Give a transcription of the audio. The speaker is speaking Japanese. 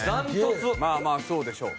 まあまあそうでしょう。